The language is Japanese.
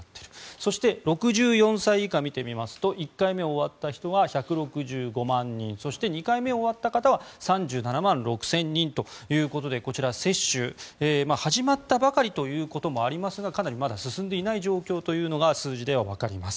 そして６４歳以下を見てみますと１回目終わった人が１６５万人そして、２回目が終わった方は３７万６０００人ということでこちら、接種始まったばかりということもありますがかなりまだ進んでいない状況というのは数字ではわかります。